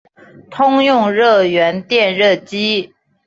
通用热源热电机。